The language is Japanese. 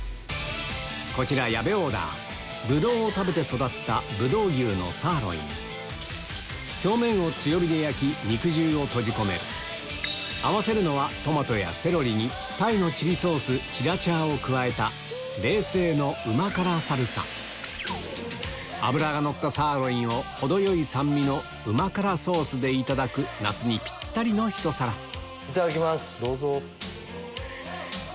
こちら矢部オーダーブドウを食べて育った葡萄牛のサーロイン表面を強火で焼き肉汁を閉じ込める合わせるのはトマトやセロリに冷製のうま辛サルサ脂がのったサーロインを程よい酸味のうま辛ソースでいただく夏にピッタリのひと皿いただきます。